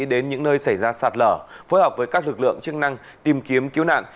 đến những nơi xảy ra sạt lở phối hợp với các lực lượng chức năng tìm kiếm cứu nạn